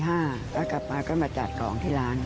แล้วกลับมาก็มาจัดของที่ร้าน